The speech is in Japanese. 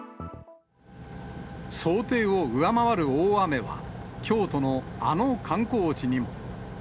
想定を上回る大雨は、きょうとのあの観光地にも。